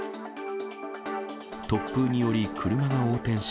突風により、車が横転し、